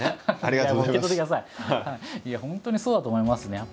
いや本当にそうだと思いますね。